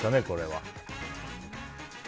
これは。